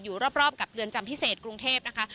อยู่รอบกับเรือนจำพิเศษกรุงเทพนะคะ